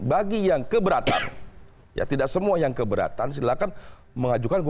bagi yang keberatan ya tidak semua yang keberatan silakan mengajukan